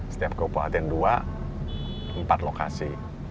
setiap kabupaten dua empat lokasi